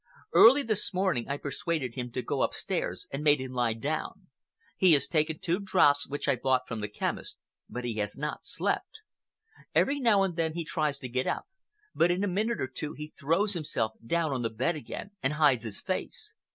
Early this morning I persuaded him to go upstairs, and made him lie down. He has taken two draughts which I bought from the chemist, but he has not slept. Every now and then he tries to get up, but in a minute or two he throws himself down on the bed again and hides his face.